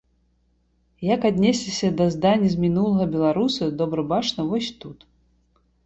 Як аднесліся да здані з мінулага беларусы, добра бачна вось тут.